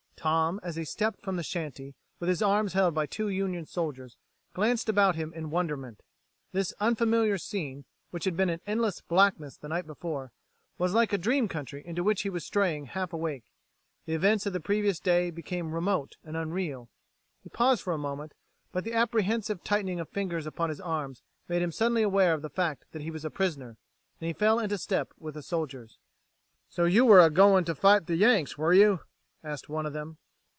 Tom, as he stepped from the shanty, with his arms held by two Union soldiers, glanced about him in wonderment. This unfamiliar scene, which had been an endless blackness the night before, was like a dream country into which he was straying half awake. The events of the previous day became remote and unreal. He paused for a moment, but the apprehensive tightening of fingers upon his arms made him suddenly aware of the fact that he was a prisoner, and he fell into step with the soldiers. "So you were a goin' to fight the Yanks, were you!" asked one of them.